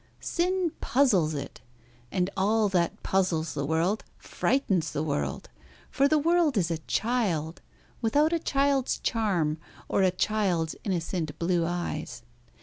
Sin puzzles it; and all that puzzles the world frightens the world; for the world is a child, without a child's charm, or a child's innocent blue eyes.